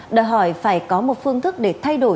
đòi hỏi phải có một phương thức để thay đổi